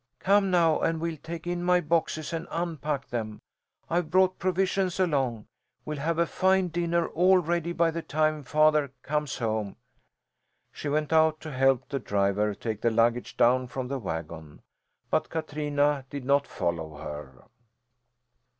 Come, now, and we'll take in my boxes and unpack them. I've brought provisions along. We'll have a fine dinner all ready by the time father comes home." She went out to help the driver take the luggage down from the wagon, but Katrina did not follow her.